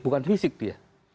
bukan fisik dia